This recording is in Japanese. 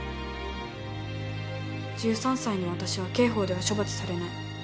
１３歳の私は刑法では処罰されない。